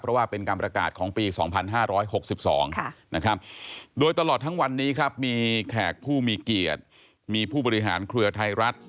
เพราะว่าเป็นการประกาศของปี๒๕๖๒นะครับโดยตลอดทั้งวันนี้ครับมีแขกผู้มีเกียรติมีผู้บริหารเครือไทยรัฐ